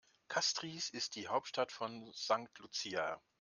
Castries ist die Hauptstadt von St. Lucia.